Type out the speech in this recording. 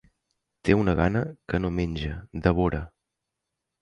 Té una gana, que no menja: devora.